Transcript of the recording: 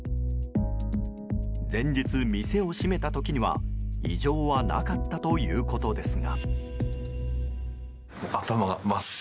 前日、店を閉めた時には異常はなかったということですが。